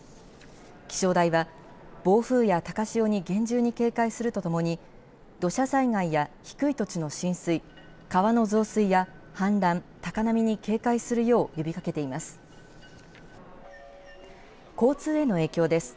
気象台は、暴風や高潮に厳重に警戒するとともに、土砂災害や低い土地の浸水、川の増水や氾濫、高波に警戒するよう呼びかけています。